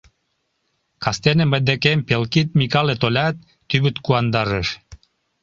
Кастене мый декем Пелкид Микале толят, тӱвыт куандарыш.